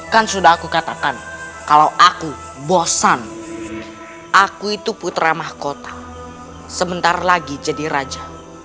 kan sudah aku katakan kalau aku bosan aku itu putra mahkota sebentar lagi jadi raja